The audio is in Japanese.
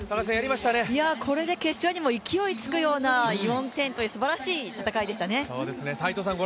これで決勝にも勢いがつくような４点、すばらしい戦いでしたね。